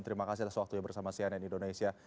terima kasih atas waktunya bersama sian dan indonesia